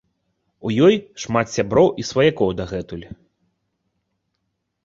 У ёй шмат сяброў і сваякоў дагэтуль.